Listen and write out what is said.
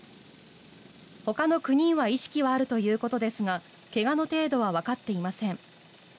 ほかの９人は意識はあるということですが怪我の程度はわかっていません。